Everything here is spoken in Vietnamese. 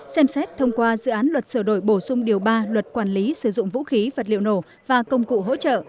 xem xét thông qua dự án luật sửa đổi bổ sung điều ba luật quản lý sử dụng vũ khí vật liệu nổ và công cụ hỗ trợ